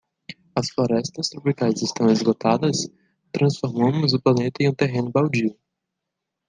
As florestas tropicais estão esgotadas? transformamos o planeta em um terreno baldio.